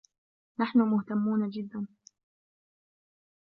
نحن مهتمون جدا.